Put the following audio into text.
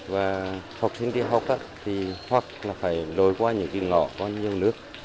và học sinh đi học thì hoặc là phải lối qua những cái ngõ có nhiều nước